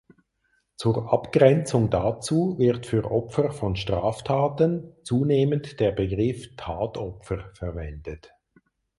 Zur Abgrenzung dazu wird für Opfer von Straftaten zunehmend der Begriff "Tatopfer" verwendet.